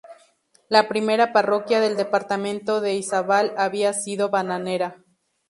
La primera parroquia del departamento de Izabal había sido Bananera.